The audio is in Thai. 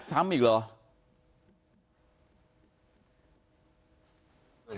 แล้วฟาดซ้ำอีกหรอ